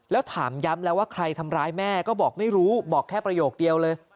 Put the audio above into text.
แล้วถามย้ำแล้วว่าใครทำร้ายแม่ก็บอกไม่รู้บอกแค่ประโยคเดียวเลย